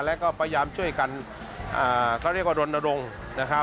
และก็พยายามช่วยกันก็เรียกว่ารณรงค์